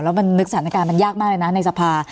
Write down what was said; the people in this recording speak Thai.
แล้วนึกสถานการณ์ยากมากเลยในศพา